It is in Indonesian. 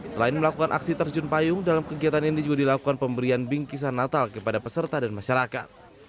selain melakukan aksi terjun payung dalam kegiatan ini juga dilakukan pemberian bingkisan natal kepada peserta dan masyarakat